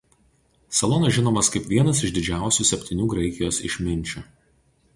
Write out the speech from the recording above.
Solonas žinomas kaip vienas iš didžiausių Septynių Graikijos Išminčių.